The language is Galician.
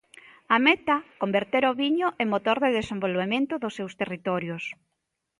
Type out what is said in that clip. A meta: converter o viño en motor de desenvolvemento dos seus territorios.